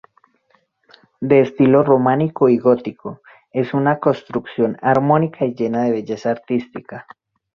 De estilo románico y gótico, es una construcción armónica y llena de belleza artística.